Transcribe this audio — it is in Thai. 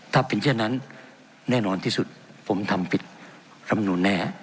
ถ้าเป็นเช่นนั้นแน่นอนที่สุดผมทำผิดรำนูนแน่